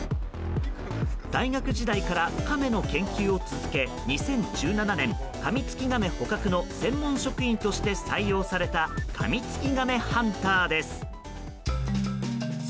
大学時代からカメの研究を続け２０１７年、カミツキガメ捕獲の専門職員として採用されたカミツキガメハンターです。